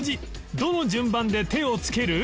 どの順番で手を付ける？